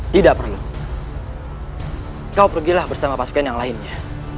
tidak perlu kau pergilah bersama pasukan yang lainnya